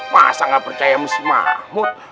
masa nggak percaya sama si mahmud